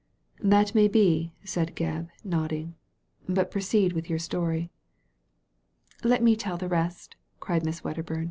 "That may be," said Gebb, nodding ;" but proceed with your story." "Let me tell the rest," cried Miss Wedderbum.